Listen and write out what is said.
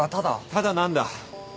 ただ何だ？